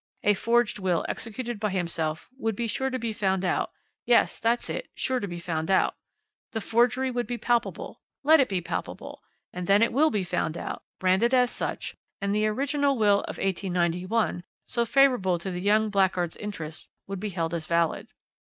A forged will executed by himself would be sure to be found out yes, that's it, sure to be found out. The forgery will be palpable let it be palpable, and then it will be found out, branded as such, and the original will of 1891, so favourable to the young blackguard's interests, would be held as valid.